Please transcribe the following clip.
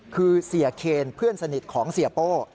คือเสียเคนเพื่อนสนิทของเสียโป้